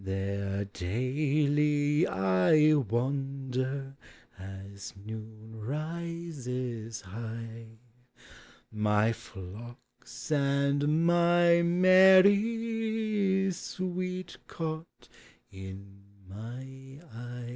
There daily I wander as noon rises high, My flocks and my Mary's sweet cot in my eye.